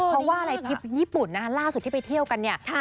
เพราะว่าอะไรทริปญี่ปุ่นนะฮะล่าสุดที่ไปเที่ยวกันเนี่ย